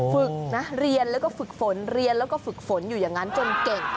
ฝึกนะเรียนแล้วก็ฝึกฝนเรียนแล้วก็ฝึกฝนอยู่อย่างนั้นจนเก่ง